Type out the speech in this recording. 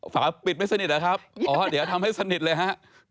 ฝาปิดไม่สนิทนะครับอ๋อเดี๋ยวทำให้สนิทเลยฮะ